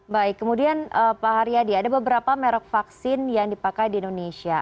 baik kemudian pak haryadi ada beberapa merek vaksin yang dipakai di indonesia